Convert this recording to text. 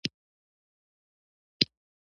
ډیالکټوس د خبري کوو طریقې ته وایي.